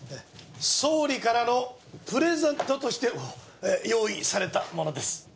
総理からのプレゼントとして用意されたものです。